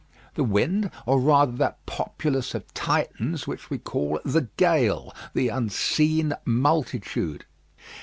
The wind; or rather that populace of Titans which we call the gale. The unseen multitude.